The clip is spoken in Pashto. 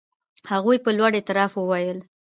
هغوی په لوړ اعتراف وویل.